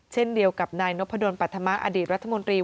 เช่นเดียวกับนายนพดลปัธมะอดีตรัฐมนตรี